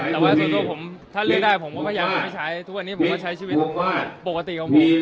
แต่ว่าส่วนตัวผมถ้าเลือกได้ผมก็พยายามไม่ใช้ทุกวันนี้ผมก็ใช้ชีวิตปกติของผม